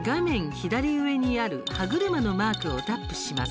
左上にある歯車のマークをタップします。